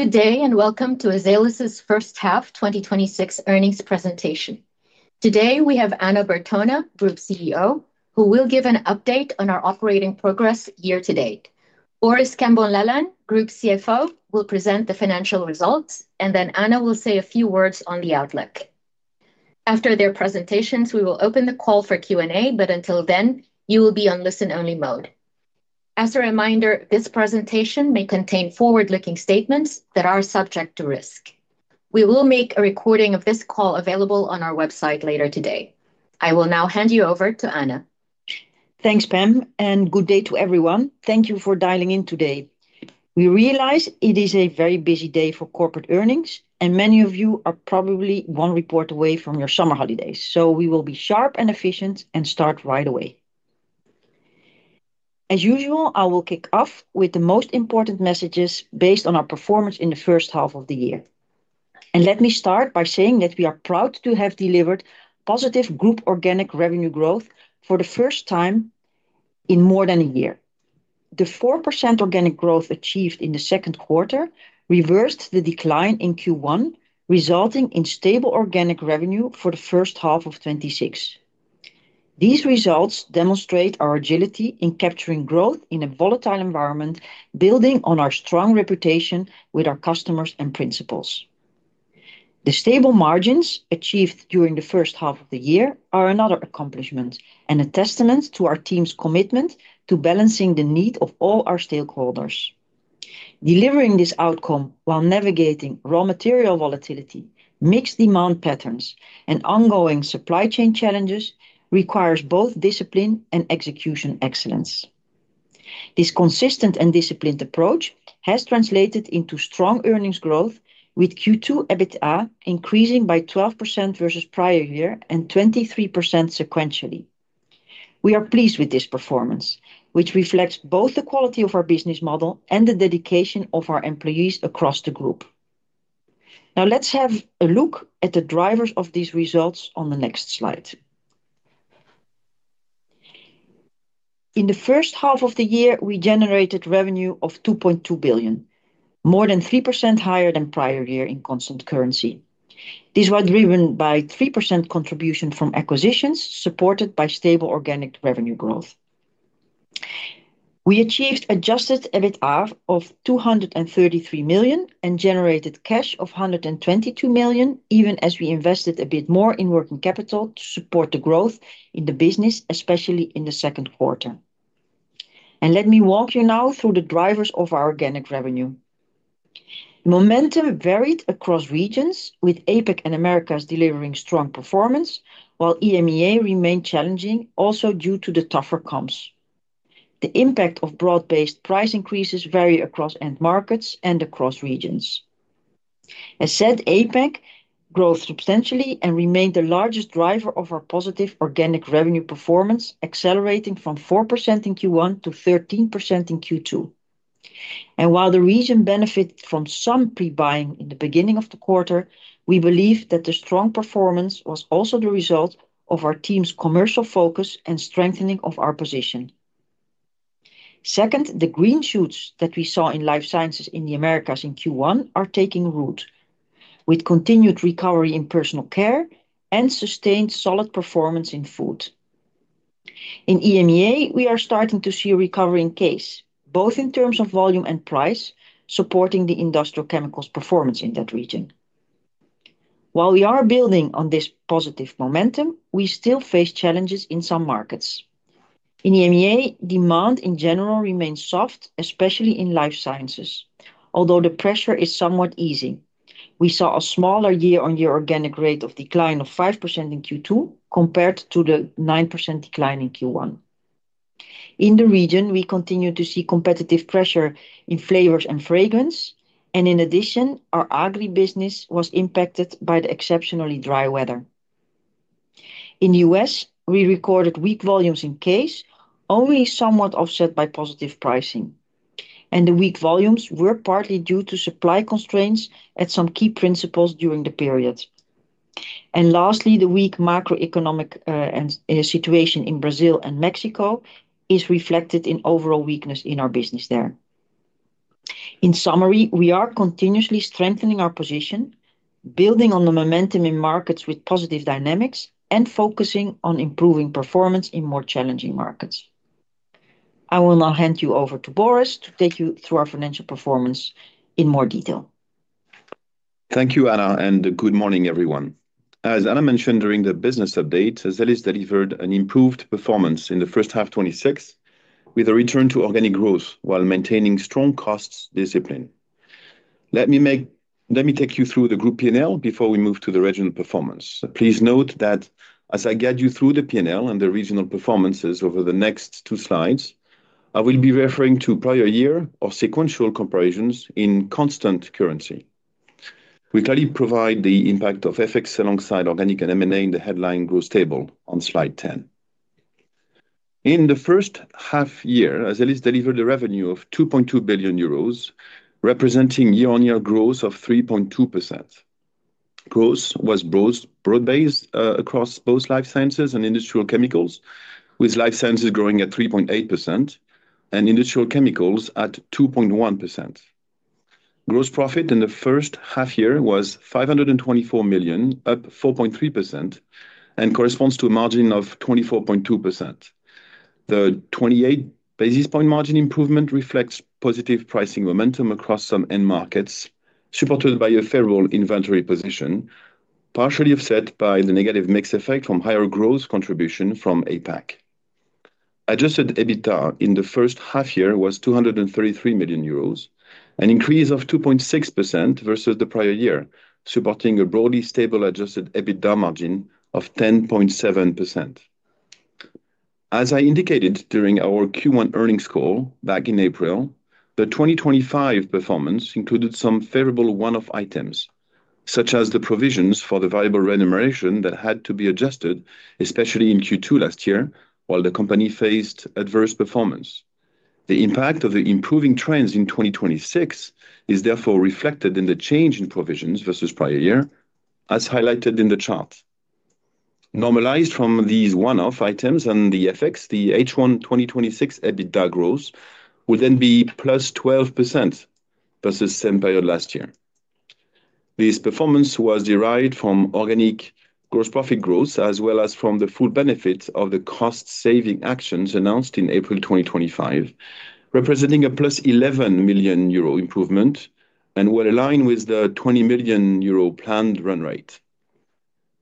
Good day and welcome to Azelis' First Half 2026 Earnings Presentation. Today, we have Anna Bertona, Group CEO, who will give an update on our operating progress year-to-date. Boris Cambon-Lalanne, Group CFO, will present the financial results. Anna will say a few words on the outlook. After their presentations, we will open the call for Q&A. Until then, you will be on listen-only mode. As a reminder, this presentation may contain forward-looking statements that are subject to risk. We will make a recording of this call available on our website later today. I will now hand you over to Anna. Thanks, Pam. Good day to everyone. Thank you for dialing in today. We realize it is a very busy day for corporate earnings. Many of you are probably one report away from your summer holidays, so we will be sharp and efficient and start right away. As usual, I will kick off with the most important messages based on our performance in the first half of the year. Let me start by saying that we are proud to have delivered positive group organic revenue growth for the first time in more than a year. The 4% organic growth achieved in the second quarter reversed the decline in Q1, resulting in stable organic revenue for the first half of 2026. These results demonstrate our agility in capturing growth in a volatile environment, building on our strong reputation with our customers and principals. The stable margins achieved during the first half of the year are another accomplishment and a testament to our team's commitment to balancing the need of all our stakeholders. Delivering this outcome while navigating raw material volatility, mixed demand patterns, and ongoing supply chain challenges requires both discipline and execution excellence. This consistent and disciplined approach has translated into strong earnings growth with Q2 EBITDA increasing by 12% versus prior year and 23% sequentially. We are pleased with this performance, which reflects both the quality of our business model and the dedication of our employees across the group. Let's have a look at the drivers of these results on the next slide. In the first half of the year, we generated revenue of 2.2 billion, more than 3% higher than prior year in constant currency. These were driven by 3% contribution from acquisitions, supported by stable organic revenue growth. We achieved adjusted EBITDA of 233 million and generated cash of 122 million, even as we invested a bit more in working capital to support the growth in the business, especially in the second quarter. Let me walk you now through the drivers of our organic revenue. Momentum varied across regions, with APAC and Americas delivering strong performance, while EMEA remained challenging also due to the tougher comps. The impact of broad-based price increases vary across end markets and across regions. As said, APAC grew substantially and remained the largest driver of our positive organic revenue performance, accelerating from 4% in Q1 to 13% in Q2. While the region benefited from some pre-buying in the beginning of the quarter, we believe that the strong performance was also the result of our team's commercial focus and strengthening of our position. Second, the green shoots that we saw in Life Sciences in the Americas in Q1 are taking root, with continued recovery in Personal Care and sustained solid performance in food. In EMEA, we are starting to see a recovery in CASE, both in terms of volume and price, supporting the Industrial Chemicals performance in that region. While we are building on this positive momentum, we still face challenges in some markets. In EMEA, demand in general remains soft, especially in Life Sciences, although the pressure is somewhat easing. We saw a smaller year-on-year organic rate of decline of 5% in Q2 compared to the 9% decline in Q1. In the region, we continue to see competitive pressure in Flavors & Fragrances, and in addition, our agri business was impacted by the exceptionally dry weather. In U.S., we recorded weak volumes in CASE, only somewhat offset by positive pricing. The weak volumes were partly due to supply constraints at some key principles during the period. Lastly, the weak macroeconomic situation in Brazil and Mexico is reflected in overall weakness in our business there. In summary, we are continuously strengthening our position, building on the momentum in markets with positive dynamics, and focusing on improving performance in more challenging markets. I will now hand you over to Boris to take you through our financial performance in more detail. Thank you, Anna, and good morning, everyone. As Anna mentioned during the business update, Azelis delivered an improved performance in the first half 2026 with a return to organic growth while maintaining strong costs discipline. Let me take you through the group P&L before we move to the regional performance. Please note that as I guide you through the P&L and the regional performances over the next two slides, I will be referring to prior year or sequential comparisons in constant currency. We clearly provide the impact of FX alongside organic and M&A in the headline growth table on slide 10. In the first half year, Azelis delivered a revenue of 2.2 billion euros, representing year-on-year growth of 3.2%. Growth was broad-based across both Life Sciences and Industrial Chemicals, with Life Sciences growing at 3.8% and Industrial Chemicals at 2.1%. Gross profit in the first half year was 524 million, up 4.3%, and corresponds to a margin of 24.2%. The 28 basis points margin improvement reflects positive pricing momentum across some end markets, supported by a favorable inventory position, partially offset by the negative mix effect from higher growth contribution from APAC. Adjusted EBITDA in the first half year was 233 million euros, an increase of 2.6% versus the prior year, supporting a broadly stable adjusted EBITDA margin of 10.7%. As I indicated during our Q1 earnings call back in April, the 2025 performance included some favorable one-off items, such as the provisions for the variable remuneration that had to be adjusted, especially in Q2 last year, while the company faced adverse performance. The impact of the improving trends in 2026 is therefore reflected in the change in provisions versus prior year, as highlighted in the chart. Normalized from these one-off items and the FX, the H1 2026 EBITDA growth would then be +12% versus same period last year. This performance was derived from organic gross profit growth as well as from the full benefit of the cost-saving actions announced in April 2025, representing a +11 million euro improvement and were aligned with the 20 million euro planned run rate.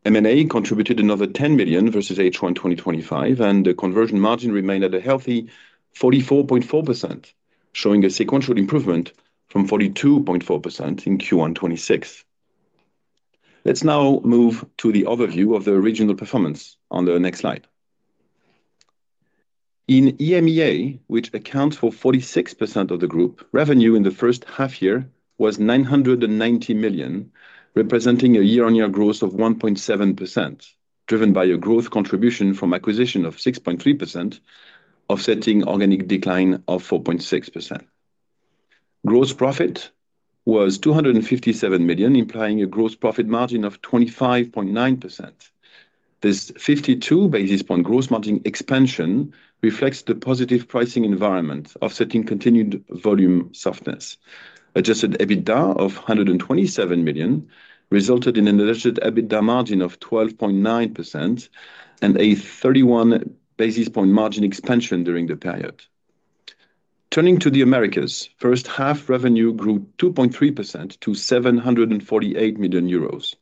M&A contributed another 10 million versus H1 2025, and the conversion margin remained at a healthy 44.4%, showing a sequential improvement from 42.4% in Q1 2026. Let's now move to the overview of the regional performance on the next slide. In EMEA, which accounts for 46% of the group, revenue in the first half year was 990 million, representing a year-on-year growth of 1.7%, driven by a growth contribution from acquisition of 6.3%, offsetting organic decline of 4.6%. Gross profit was 257 million, implying a gross profit margin of 25.9%. This 52 basis points gross margin expansion reflects the positive pricing environment offsetting continued volume softness. Adjusted EBITDA of 127 million resulted in an adjusted EBITDA margin of 12.9% and a 31 basis points margin expansion during the period. Turning to the Americas. First half revenue grew 2.3% to 748 million euros.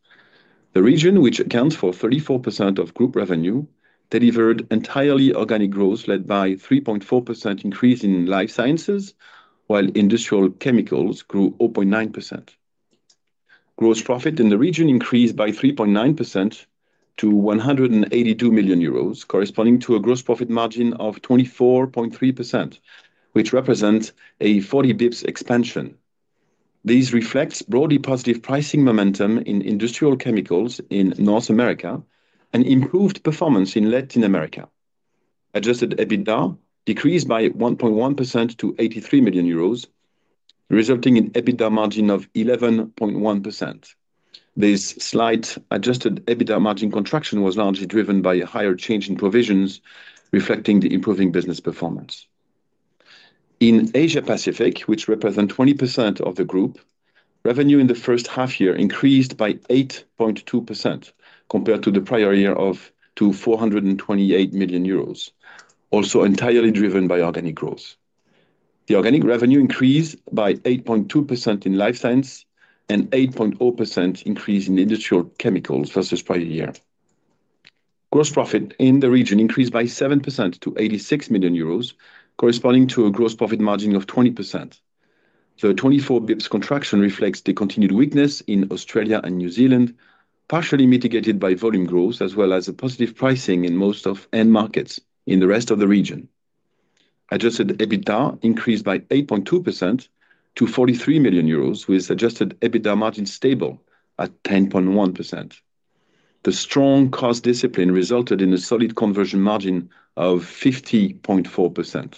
The region, which accounts for 34% of group revenue, delivered entirely organic growth, led by 3.4% increase in Life Sciences, while Industrial Chemicals grew 0.9%. Gross profit in the region increased by 3.9% to 182 million euros, corresponding to a gross profit margin of 24.3%, which represents a 40 basis points expansion. These reflects broadly positive pricing momentum in Industrial Chemicals in North America and improved performance in Latin America. Adjusted EBITDA decreased by 1.1% to 83 million euros, resulting in EBITDA margin of 11.1%. This slight adjusted EBITDA margin contraction was largely driven by a higher change in provisions reflecting the improving business performance. In Asia Pacific, which represent 20% of the group, revenue in the first half year increased by 8.2% compared to the prior year to 428 million euros. Also entirely driven by organic growth. The organic revenue increased by 8.2% in Life Sciences and 8.0% increase in Industrial Chemicals versus prior year. Gross profit in the region increased by 7% to 86 million euros, corresponding to a gross profit margin of 20%. A 24 basis points contraction reflects the continued weakness in Australia and New Zealand, partially mitigated by volume growth, as well as a positive pricing in most of end markets in the rest of the region. Adjusted EBITDA increased by 8.2% to 43 million euros, with adjusted EBITDA margin stable at 10.1%. The strong cost discipline resulted in a solid conversion margin of 50.4%.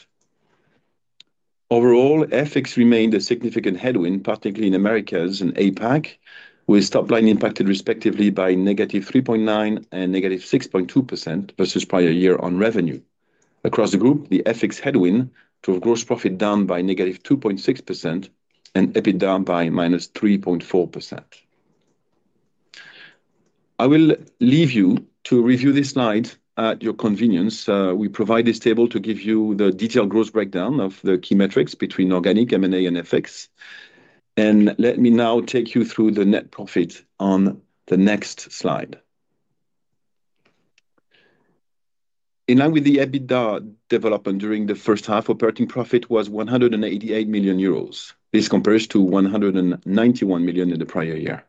Overall, FX remained a significant headwind, particularly in Americas and APAC, with top line impacted respectively by -3.9% and -6.2% versus prior year on revenue. Across the group, the FX headwind to a gross profit down by -2.6% and EBITDA by -3.4%. I will leave you to review this slide at your convenience. We provide this table to give you the detailed gross breakdown of the key metrics between organic, M&A, and FX. Let me now take you through the net profit on the next slide. In line with the EBITDA development during the first half, operating profit was 188 million euros. This compares to 191 million in the prior year.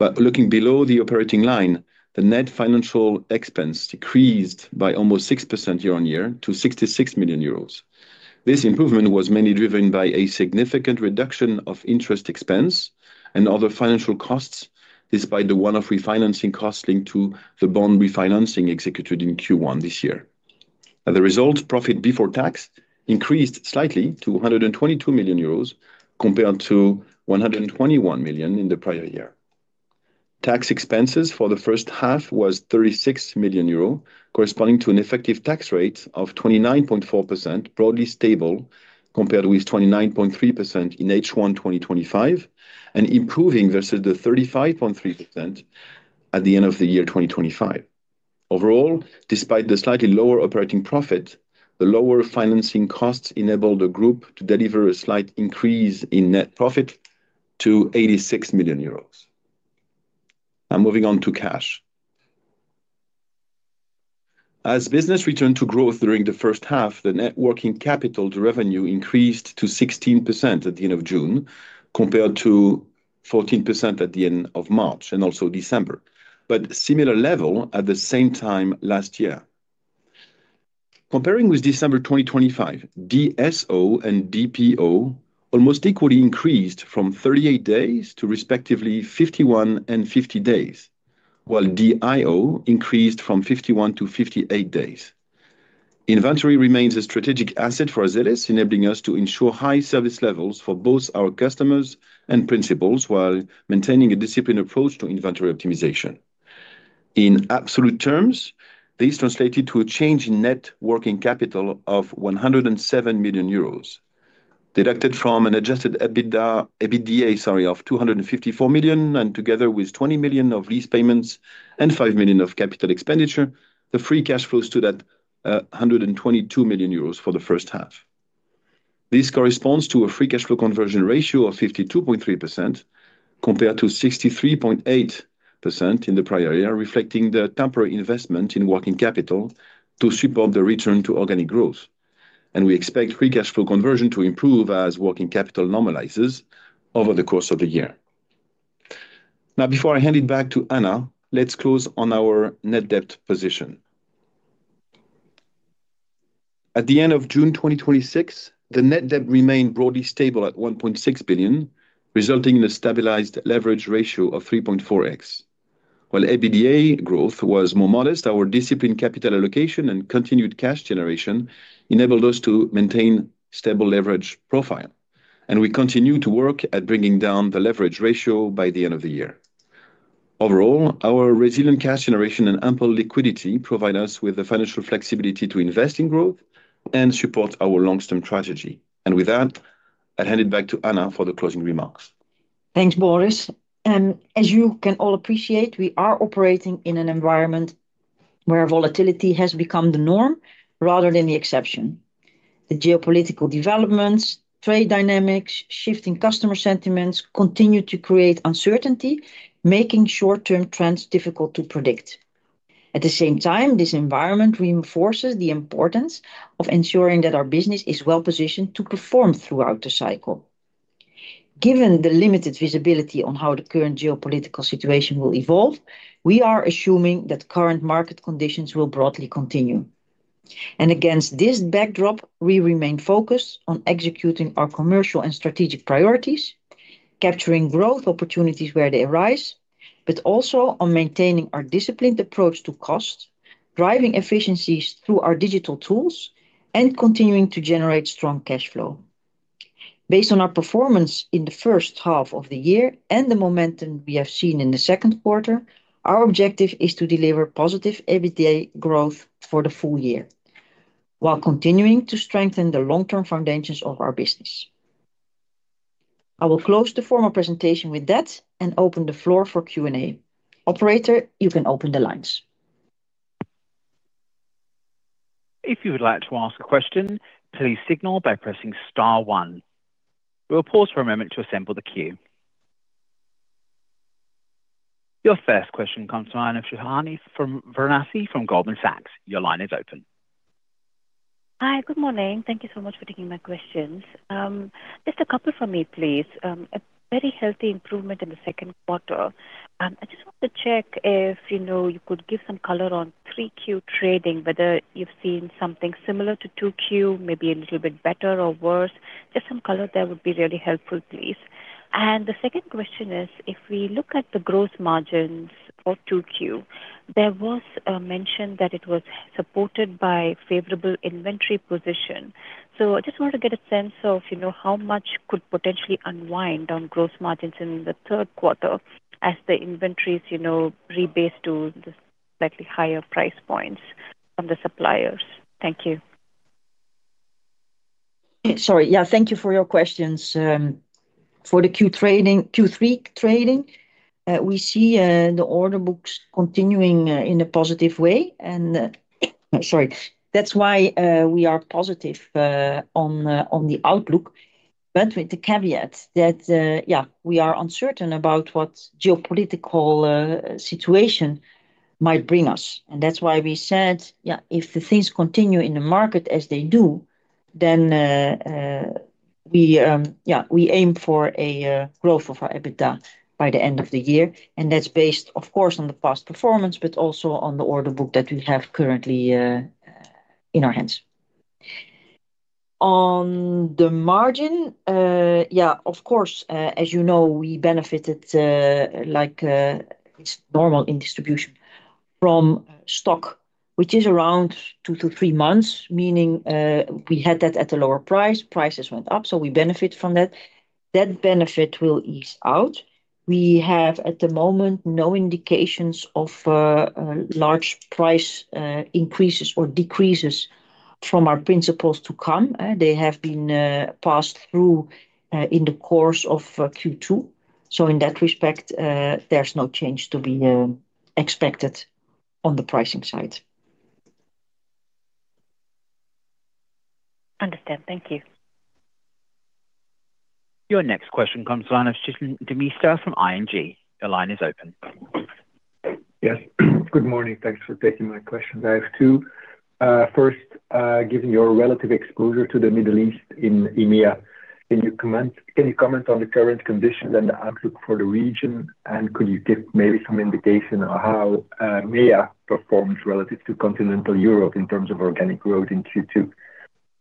Looking below the operating line, the net financial expense decreased by almost 6% year-on-year to 66 million euros. This improvement was mainly driven by a significant reduction of interest expense and other financial costs, despite the one-off refinancing costs linked to the bond refinancing executed in Q1 this year. As a result, profit before tax increased slightly to 122 million euros compared to 121 million in the prior year. Tax expenses for the first half was 36 million euro, corresponding to an effective tax rate of 29.4%, broadly stable compared with 29.3% in H1 2025, and improving versus the 35.3% at the end of the year 2025. Overall, despite the slightly lower operating profit, the lower financing costs enabled the group to deliver a slight increase in net profit to 86 million euros. Moving on to cash. Business returned to growth during the first half, the net working capital to revenue increased to 16% at the end of June, compared to 14% at the end of March and also December, but similar level at the same time last year. Comparing with December 2025, DSO and DPO almost equally increased from 38 days to respectively 51 and 50 days, while DIO increased from 51-58 days. Inventory remains a strategic asset for Azelis, enabling us to ensure high service levels for both our customers and principals, while maintaining a disciplined approach to inventory optimization. In absolute terms, this translated to a change in net working capital of 107 million euros, deducted from an adjusted EBITDA of 233 million, and together with 20 million of lease payments and 5 million of capital expenditure, the free cash flow stood at 122 million euros for the first half. This corresponds to a free cash flow conversion ratio of 52.3%, compared to 63.8% in the prior year, reflecting the temporary investment in working capital to support the return to organic growth. We expect free cash flow conversion to improve as working capital normalizes over the course of the year. Before I hand it back to Anna, let's close on our net debt position. At the end of June 2026, the net debt remained broadly stable at 1.6 billion, resulting in a stabilized leverage ratio of 3.4x. While EBITDA growth was more modest, our disciplined capital allocation and continued cash generation enabled us to maintain stable leverage profile, and we continue to work at bringing down the leverage ratio by the end of the year. Overall, our resilient cash generation and ample liquidity provide us with the financial flexibility to invest in growth and support our long-term strategy. With that, I'll hand it back to Anna for the closing remarks. Thanks, Boris. As you can all appreciate, we are operating in an environment where volatility has become the norm rather than the exception. The geopolitical developments, trade dynamics, shifting customer sentiments continue to create uncertainty, making short-term trends difficult to predict. At the same time, this environment reinforces the importance of ensuring that our business is well-positioned to perform throughout the cycle. Given the limited visibility on how the current geopolitical situation will evolve, we are assuming that current market conditions will broadly continue. Against this backdrop, we remain focused on executing our commercial and strategic priorities, capturing growth opportunities where they arise, but also on maintaining our disciplined approach to cost, driving efficiencies through our digital tools, and continuing to generate strong cash flow. Based on our performance in the first half of the year and the momentum we have seen in the second quarter, our objective is to deliver positive EBITDA growth for the full year, while continuing to strengthen the long-term foundations of our business. I will close the formal presentation with that and open the floor for Q&A. Operator, you can open the lines. If you would like to ask a question, please signal by pressing star one. We will pause for a moment to assemble the queue. Your first question comes from Suhasini Varanasi from Goldman Sachs. Your line is open. Hi. Good morning. Thank you so much for taking my questions. Just a couple for me, please. A very healthy improvement in the second quarter. I just want to check if you could give some color on 3Q trading, whether you've seen something similar to 2Q, maybe a little bit better or worse. Just some color there would be really helpful, please. The second question is, if we look at the gross margins for 2Q, there was a mention that it was supported by favorable inventory position. So I just wanted to get a sense of how much could potentially unwind on gross margins in the third quarter as the inventories rebase to the slightly higher price points from the suppliers. Thank you. Sorry. Yeah. Thank you for your questions. For the Q3 trading, we see the order books continuing in a positive way and, sorry. That's why we are positive on the outlook. With the caveat that, yeah, we are uncertain about what geopolitical situation might bring us. That's why we said if the things continue in the market as they do, then we aim for a growth of our EBITDA by the end of the year. That's based, of course, on the past performance, but also on the order book that we have currently in our hands. On the margin, of course, as you know, we benefited like it's normal in distribution from stock, which is around two to three months, meaning we had that at a lower price. Prices went up, so we benefit from that. That benefit will ease out. We have, at the moment, no indications of large price increases or decreases from our principals to come. They have been passed through in the course of Q2. In that respect, there's no change to be expected on the pricing side. Understand. Thank you. Your next question comes on the line of Stijn Demeester from ING. Your line is open. Yes. Good morning. Thanks for taking my questions. I have two. First, given your relative exposure to the Middle East in EMEA, can you comment on the current conditions and the outlook for the region? Could you give maybe some indication on how EMEA performs relative to Continental Europe in terms of organic growth in Q2,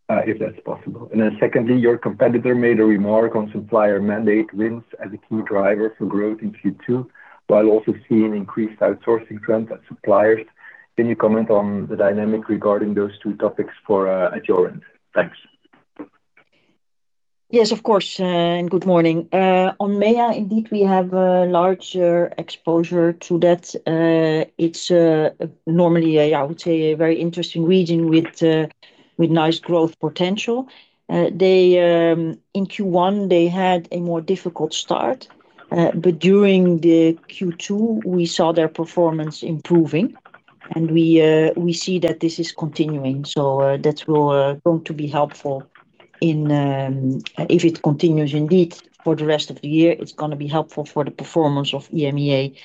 if that's possible? Secondly, your competitor made a remark on supplier mandate wins as a key driver for growth in Q2, while also seeing increased outsourcing trends at suppliers. Can you comment on the dynamic regarding those two topics at your end? Thanks. Yes, of course. Good morning. On EMEA, indeed, we have a larger exposure to that. It's normally, I would say, a very interesting region with nice growth potential. In Q1, they had a more difficult start. During the Q2, we saw their performance improving and we see that this is continuing. That's going to be helpful if it continues indeed for the rest of the year. It's going to be helpful for the performance of EMEA.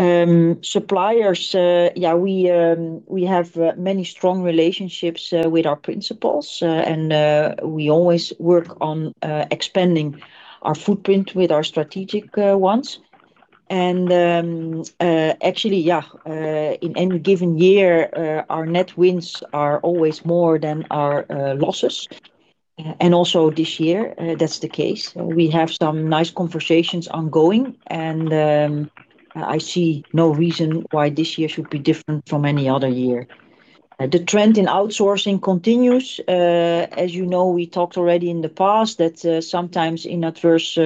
Suppliers, we have many strong relationships with our principals, and we always work on expanding our footprint with our strategic ones. Actually, in any given year, our net wins are always more than our losses. Also this year that's the case. We have some nice conversations ongoing, and I see no reason why this year should be different from any other year. The trend in outsourcing continues. As you know, we talked already in the past that sometimes in adverse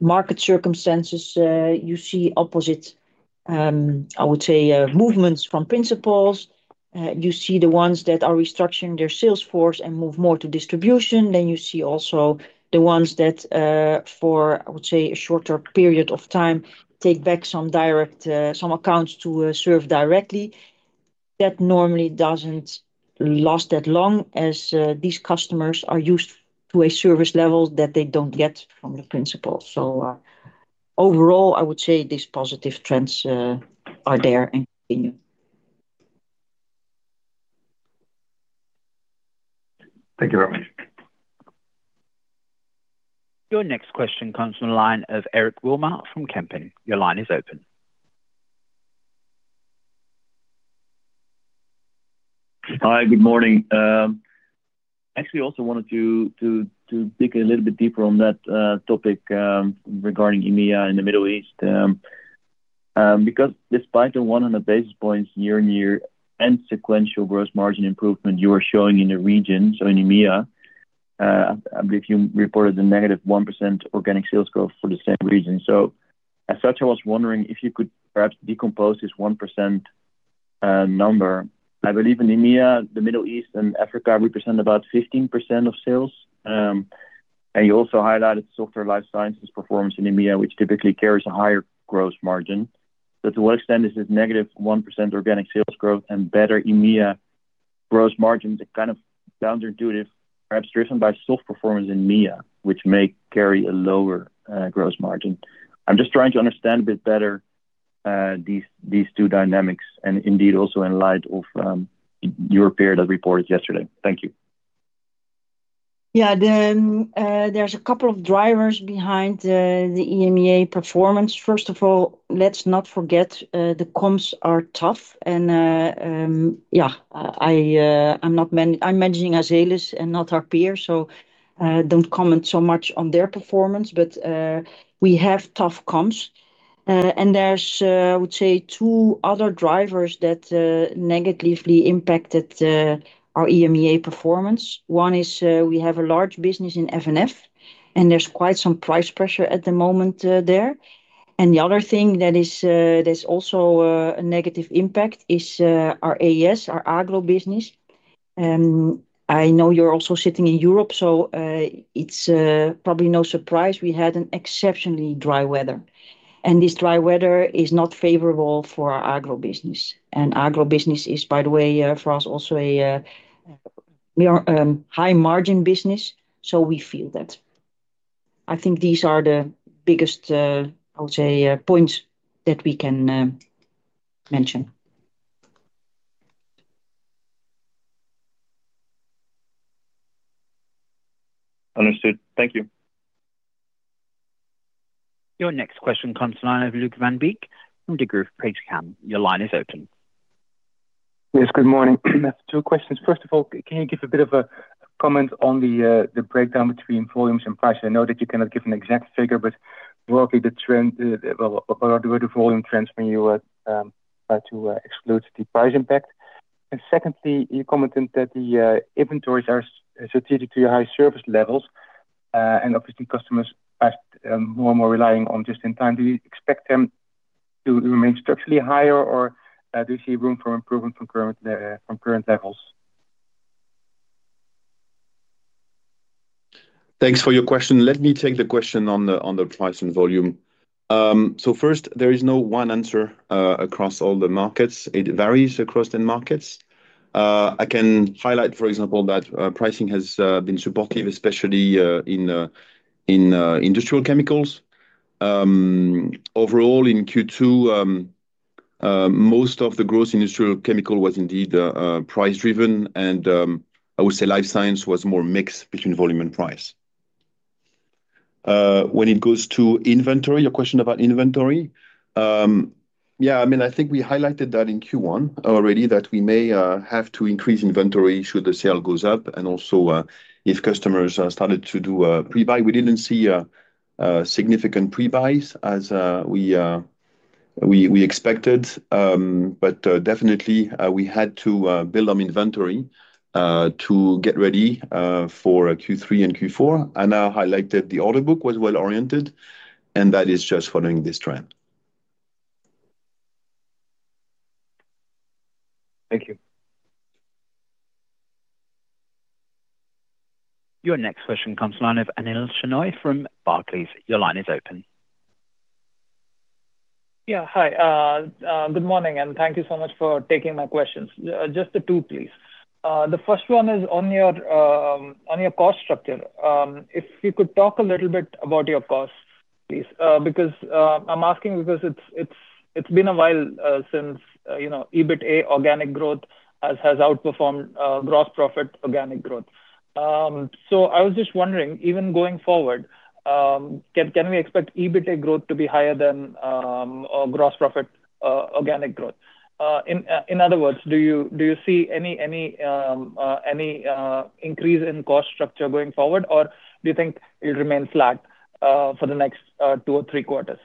market circumstances, you see opposite, I would say, movements from principals. You see the ones that are restructuring their sales force and move more to distribution. You see also the ones that, for, I would say, a shorter period of time, take back some accounts to serve directly. That normally doesn't last that long, as these customers are used to a service level that they don't get from the principal. Overall, I would say these positive trends are there and continue. Thank you very much. Your next question comes from the line of Erick Wilmer from Kempen. Your line is open. Hi. Good morning. Actually, also wanted to dig a little bit deeper on that topic, regarding EMEA in the Middle East. Despite the 100 basis points year-on-year and sequential gross margin improvement you are showing in the region, so in EMEA, I believe you reported a -1% organic sales growth for the same reason. As such, I was wondering if you could perhaps decompose this 1% number. I believe in EMEA, the Middle East and Africa represent about 15% of sales. You also highlighted softer Life Sciences performance in EMEA, which typically carries a higher gross margin. To what extent is this -1% organic sales growth and better EMEA gross margin, the kind of counterintuitive, perhaps driven by soft performance in EMEA, which may carry a lower gross margin? I'm just trying to understand a bit better these two dynamics, and indeed also in light of your peer that reported yesterday. Thank you. Yeah. There's a couple of drivers behind the EMEA performance. First of all, let's not forget the comps are tough and I'm managing Azelis and not our peers, so don't comment so much on their performance. We have tough comps. There's, I would say, two other drivers that negatively impacted our EMEA performance. One is we have a large business in F&F, and there's quite some price pressure at the moment there. The other thing that is also a negative impact is our A&ES, our agro business. I know you're also sitting in Europe, so it's probably no surprise we had an exceptionally dry weather. This dry weather is not favorable for our agro business. Agro business is, by the way, for us also a high margin business, so we feel that. I think these are the biggest, I would say, points that we can mention. Understood. Thank you. Your next question comes in the line of Luuk van Beek from Degroof Petercam. Your line is open. Yes, good morning. I have two questions. First of all, can you give a bit of a comment on the breakdown between volumes and price? I know that you cannot give an exact figure, but roughly the volume trends when you had to exclude the price impact. Secondly, you commented that the inventories are strategically high service levels, and obviously customers are more and more relying on just in time. Do you expect them to remain structurally higher, or do you see room for improvement from current levels? Thanks for your question. Let me take the question on the price and volume. First, there is no one answer across all the markets. It varies across the markets. I can highlight, for example, that pricing has been supportive, especially in Industrial Chemicals. Overall, in Q2, most of the gross Industrial Chemicals was indeed price driven, and I would say Life Sciences was more mixed between volume and price. When it goes to inventory, your question about inventory. I think we highlighted that in Q1 already, that we may have to increase inventory should the sales goes up, and also if customers started to do a pre-buy. We didn't see significant pre-buys as we expected. Definitely, we had to build on inventory to get ready for Q3 and Q4. Anna highlighted the order book was well-oriented, and that is just following this trend. Thank you. Your next question comes to line of Anil Shenoy from Barclays. Your line is open. Hi. Good morning, thank you so much for taking my questions. Just the two, please. The first one is on your cost structure. If you could talk a little bit about your costs, please. I'm asking because it's been a while since EBITDA organic growth has outperformed gross profit organic growth. I was just wondering, even going forward, can we expect EBITDA growth to be higher than gross profit organic growth? In other words, do you see any increase in cost structure going forward, or do you think it'll remain flat for the next two or three quarters?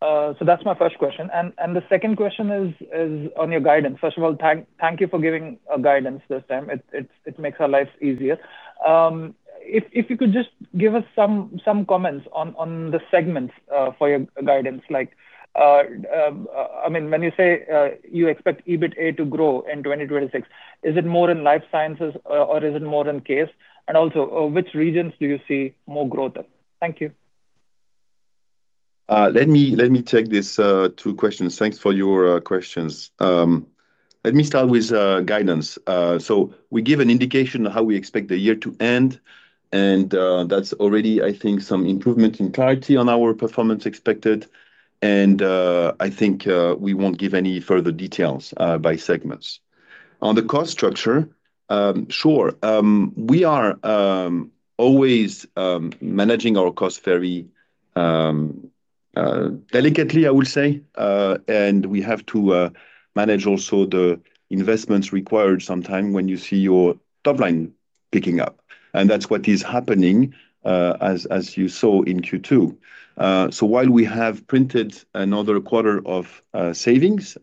That's my first question. The second question is on your guidance. First of all, thank you for giving a guidance this time. It makes our lives easier. If you could just give us some comments on the segments for your guidance. When you say you expect EBITDA to grow in 2026, is it more in Life Sciences or is it more in CASE? Also, which regions do you see more growth in? Thank you. Let me take these two questions. Thanks for your questions. Let me start with guidance. We give an indication of how we expect the year to end, that's already, I think, some improvement in clarity on our performance expected, I think we won't give any further details by segments. On the cost structure, sure. We are always managing our costs very delicately, I would say, we have to manage also the investments required sometime when you see your top line picking up. That's what is happening as you saw in Q2. While we have printed another quarter of savings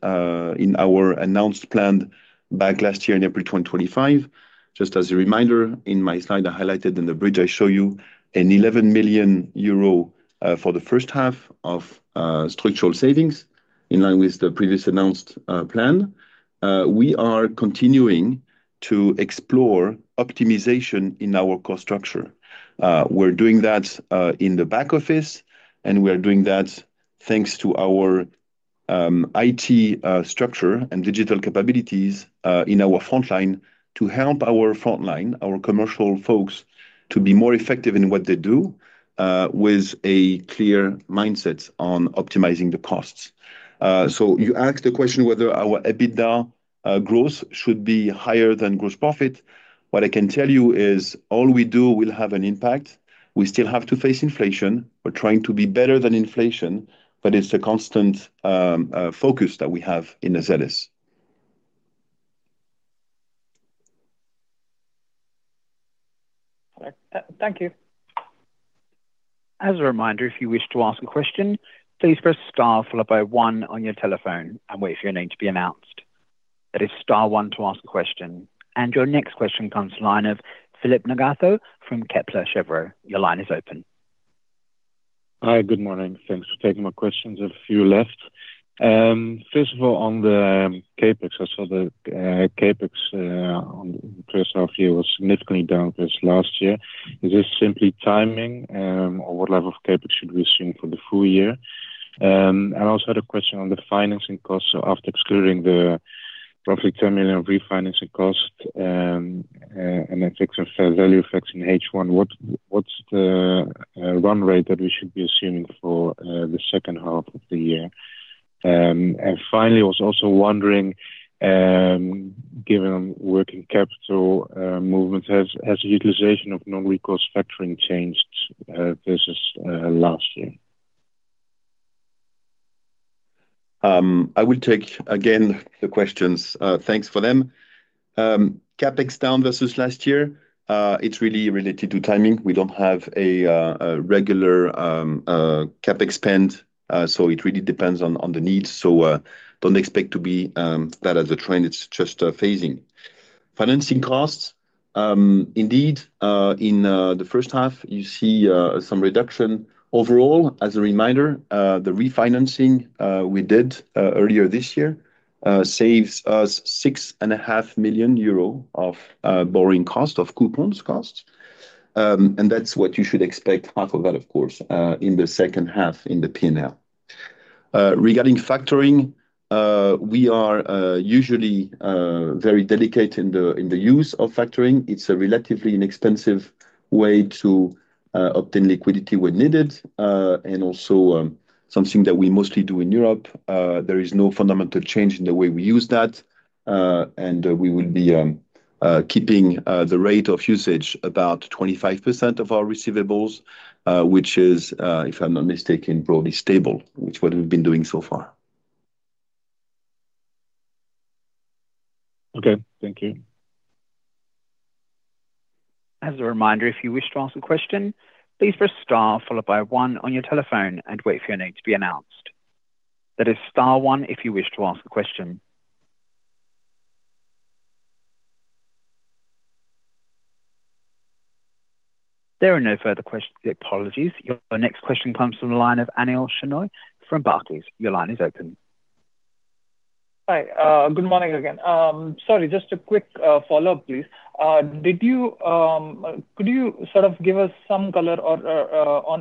in our announced plan back last year in April 2025. Just as a reminder, in my slide, I highlighted in the bridge I show you an 11 million euro for the first half of structural savings, in line with the previous announced plan. We are continuing to explore optimization in our cost structure. We're doing that in the back office, we are doing that thanks to our IT structure and digital capabilities in our frontline to help our frontline, our commercial folks, to be more effective in what they do with a clear mindset on optimizing the costs. You asked the question whether our EBITDA growth should be higher than gross profit. What I can tell you is all we do will have an impact. We still have to face inflation. We're trying to be better than inflation, it's a constant focus that we have in Azelis. Thank you. As a reminder, if you wish to ask a question, please press star followed by one on your telephone and wait for your name to be announced. That is star one to ask a question. Your next question comes to the line of Philip Ngotho from Kepler Cheuvreux. Your line is open. Hi. Good morning. Thanks for taking my questions. I have a few left. First of all, on the CapEx. I saw the CapEx on the first half year was significantly down versus last year. Is this simply timing, or what level of CapEx should we assume for the full year? I also had a question on the financing cost. After excluding the roughly 10 million refinancing cost and net excess fair value effects in H1, what's the run rate that we should be assuming for the second half of the year? Finally, I was also wondering, given working capital movement, has the utilization of non-recourse factoring changed versus last year? I will take, again, the questions. Thanks for them. CapEx down versus last year, it's really related to timing. We don't have a regular CapEx spend, it really depends on the needs. Don't expect to be that as a trend, it's just a phasing. Financing costs. Indeed, in the first half, you see some reduction. Overall, as a reminder, the refinancing we did earlier this year saves us 6.5 million euro of borrowing cost, of coupons cost. That's what you should expect half of that, of course, in the second half in the P&L. Regarding factoring, we are usually very delicate in the use of factoring. It's a relatively inexpensive way to obtain liquidity when needed, and also something that we mostly do in Europe. There is no fundamental change in the way we use that. We will be keeping the rate of usage about 25% of our receivables, which is, if I'm not mistaken, broadly stable, which is what we've been doing so far. Okay. Thank you. As a reminder, if you wish to ask a question, please press star followed by one on your telephone and wait for your name to be announced. That is star one if you wish to ask a question. There are no further questions. Apologies. Your next question comes from the line of Anil Shenoy from Barclays. Your line is open. Hi. Good morning again. Sorry, just a quick follow-up, please. Could you sort of give us some color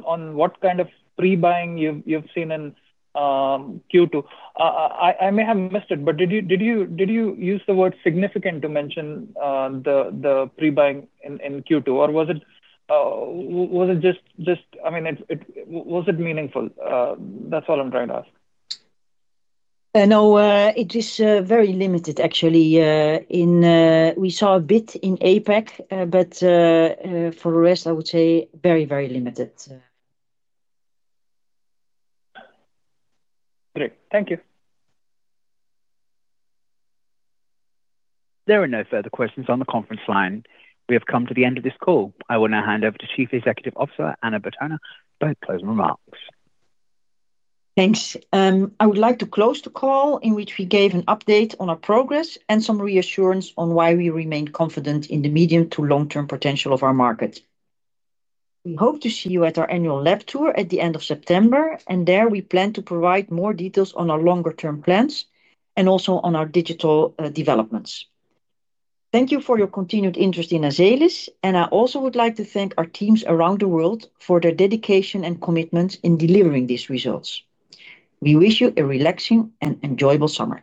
on what kind of prebuying you've seen in Q2? I may have missed it, but did you use the word significant to mention the prebuying in Q2? Or was it meaningful? That's all I'm trying to ask. No, it is very limited, actually. We saw a bit in APAC, but for the rest, I would say very limited. Great. Thank you. There are no further questions on the conference line. We have come to the end of this call. I will now hand over to Chief Executive Officer, Anna Bertona, for closing remarks. Thanks. I would like to close the call in which we gave an update on our progress and some reassurance on why we remain confident in the medium to long-term potential of our market. We hope to see you at our annual lab tour at the end of September, and there we plan to provide more details on our longer-term plans and also on our digital developments. Thank you for your continued interest in Azelis, and I also would like to thank our teams around the world for their dedication and commitment in delivering these results. We wish you a relaxing and enjoyable summer